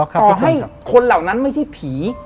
ต่อให้คนเหล่านั้นไม่ใช่ผี